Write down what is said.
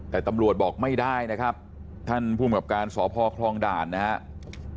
แต่ตำรวจบอกไม่ได้นะครับท่านภูมิกับการสพคลองด่านนะครับ